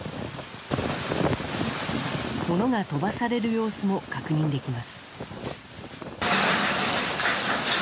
物が飛ばされる様子も確認できます。